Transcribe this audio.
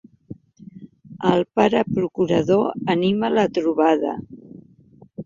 El pare procurador anima la trobada.